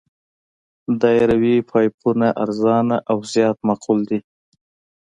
دایروي پایپونه ارزانه او زیات معمول دي